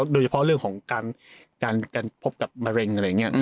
โดยเฉพาะเรื่องของการพบกับมะเร็งอะไรอย่างนี้